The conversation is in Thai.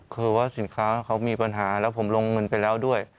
คือว่าสินค้าเขามีปัญหาแล้วผมลงเงินไปแล้วด้วย